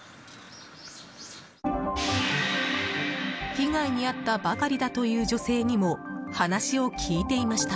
被害に遭ったばかりだという女性にも話を聞いていました。